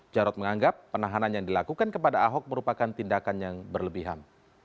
jarod menganggap penahanan yang dilakukan kepada ahok merupakan tindakan yang berlebihan